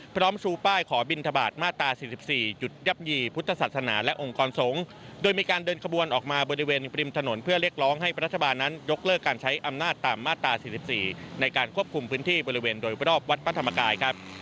ชูป้ายขอบินทบาทมาตรา๔๔หยุดยับยี่พุทธศาสนาและองค์กรสงฆ์โดยมีการเดินขบวนออกมาบริเวณริมถนนเพื่อเรียกร้องให้รัฐบาลนั้นยกเลิกการใช้อำนาจตามมาตรา๔๔ในการควบคุมพื้นที่บริเวณโดยรอบวัดพระธรรมกายครับ